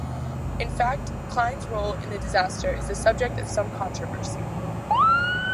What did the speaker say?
In fact, Cline's role in the disaster is the subject of some controversy.